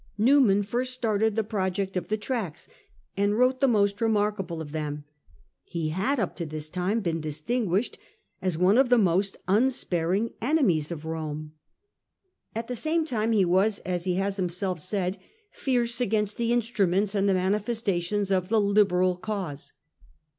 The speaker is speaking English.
Newman first started the project of the Tracts, and wrote the most remarkable of them. He had up to this time been distinguished as one of the most unsparing enemies of Rome. At 208 A HISTORY OF OUR OWN TIMES. OH. X. the same time he was, as he has himself said, 'fierce' against the ' instruments ' and the ' manifestations ' of 'the Liberal cause.